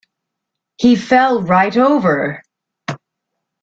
He fell right over!